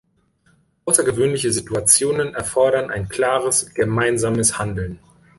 Außergewöhnliche Situationen erfordern ein klares, gemeinsames Handeln.